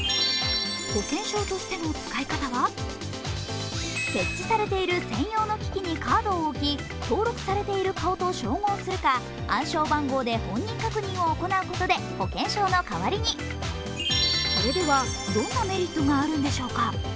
保険証としての使い方は、設置されている専用の機器にカードを置き、登録されている顔と照合するか暗証番号で本人確認を行うことで保険証の代わりに、それではどんなメリットがあるんでしょうか。